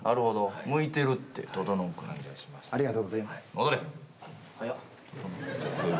戻れ。